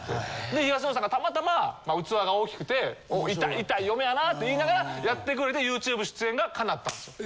で東野さんがたまたま器が大きくて「イタい嫁やな」と言いながらやってくれてＹｏｕＴｕｂｅ出演が叶ったんですよ。